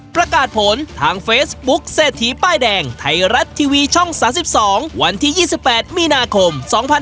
ประกาศผลทางเฟซบุ๊คเศรษฐีป้ายแดงไทยรัฐทีวีช่อง๓๒วันที่๒๘มีนาคม๒๕๖๒